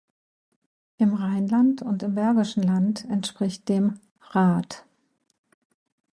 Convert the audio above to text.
Im Rheinland und im Bergischen Land entspricht dem -rath.